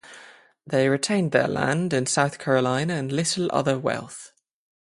They retained their land in South Carolina and little other wealth.